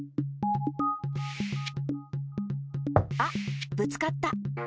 あっぶつかった。